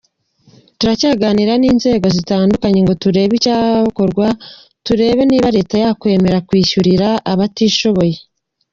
Turacyaganira n’inzego zitandukanye ngo turebe icyakorwa, turebe niba leta yakwemera kwishyurira abatishoboye.